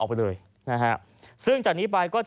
พร้อมกับหยิบมือถือขึ้นไปแอบถ่ายเลย